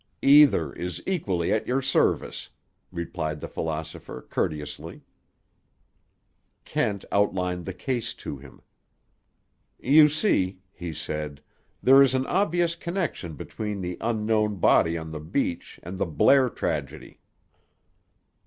"Either is equally at your service," replied the philosopher courteously. Kent outlined the case to him. "You see," he said, "there is an obvious connection between the unknown body on the beach, and the Blair tragedy."